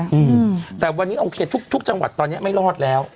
อืมแต่วันนี้โอเคทุกทุกจังหวัดตอนเนี้ยไม่รอดแล้ว